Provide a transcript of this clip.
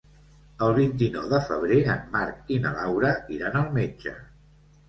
El vint-i-nou de febrer en Marc i na Laura iran al metge.